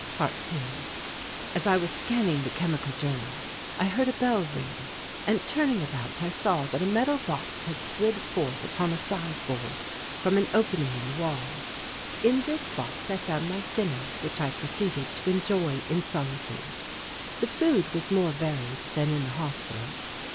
~2~ As I was scanning the chemical journal I heard a bell ring and turning about I saw that a metal box had slid forth upon a side board from an opening in the wall. In this box I found my dinner which I proceeded to enjoy in solitude. The food was more varied than in the hospital.